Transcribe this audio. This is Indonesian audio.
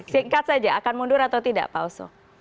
singkat saja akan mundur atau tidak pak oso